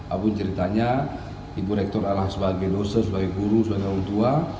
abun ceritanya ibu rektor adalah sebagai dosa sebagai guru sebagai untua